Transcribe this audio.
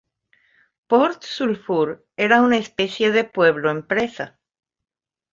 Port Sulphur era una especie de pueblo-empresa.